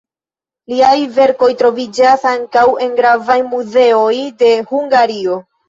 Liaj verkoj troviĝas ankaŭ en gravaj muzeoj de Hungario.